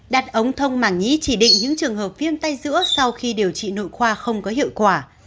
đặt ống thông màng nhĩ chỉ định những trường hợp viêm tay giữa sau khi điều trị nội khoa không có hiệu quả